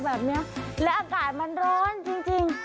แบบนี้และอากาศมันร้อนจริง